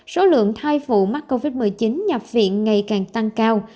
số lượng thai vụ mắc covid một mươi chín nhập viện ngày càng tăng cao